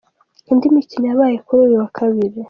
Indi mikino yabaye kuwi uyu wa Kabiri:.